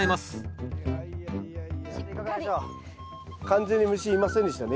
完全に虫いませんでしたね